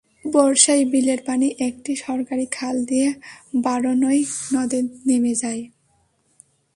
বর্ষায় বিলের পানি একটি সরকারি খাল দিয়ে বারনই নদে নেমে যায়।